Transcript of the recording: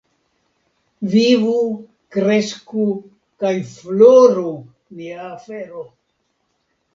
Vivu, kresku kaj floru nia afero!